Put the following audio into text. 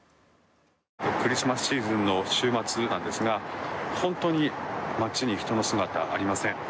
クリスマスシーズンの週末なんですが本当に街に人の姿、ありません。